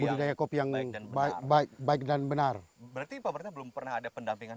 budidaya kopi yang baik baik dan benar berarti pak berarti belum pernah ada pendampingan